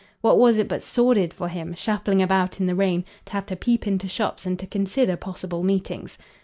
What was it but sordid for him, shuffling about in the rain, to have to peep into shops and to consider possible meetings?